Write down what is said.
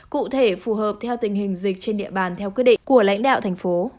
cụ thể phù hợp theo tình hình dịch trên địa bàn theo quyết định của lãnh đạo thành phố